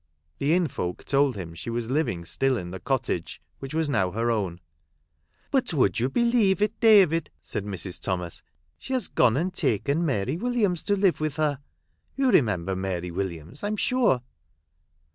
The inn folk told him she was living still in the cottage, which was now her own. " But would you believe it, David," said Mrs. Thomas, " she has gone and taken Mary Williams to live with her ? You remember Mary Williams, I 'm sure."